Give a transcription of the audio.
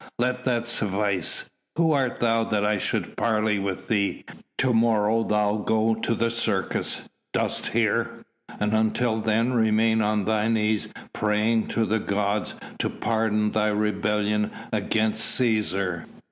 Let that suffice. Who art thou that I should parley with thee? To morrow thou'lt go to the Circus. Dost hear? And until then remain on thy knees praying to the gods to pardon thy rebellion against Cæsar."